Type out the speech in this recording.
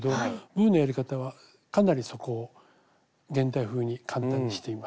僕のやり方はかなりそこを現代風に簡単にしています。